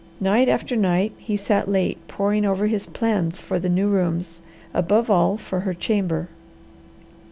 Night after night he sat late poring over his plans for the new rooms, above all for her chamber.